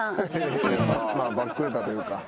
まあバックれたというか。